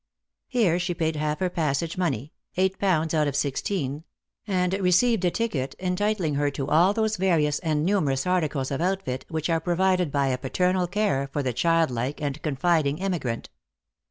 Here she paid half her passage money — eight pounds out of sixteen — and received a ticket entitling her to all those various and numerous articles of outfit which are 196 Lost for Love. provided by a paternal care for the childlike and confiding emigrant.